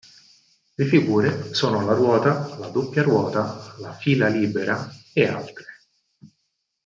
Le figure sono la ruota, la doppia ruota, la fila libera e altre.